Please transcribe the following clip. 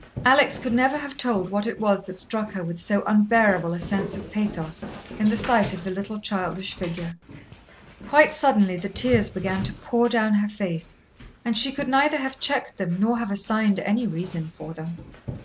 Alex could never have told what it was that struck her with so unbearable a sense of pathos in the sight of the little childish figure. Quite suddenly the tears began to pour down her face, and she could neither have checked them nor have assigned any reason for them.